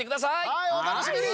はいおたのしみに！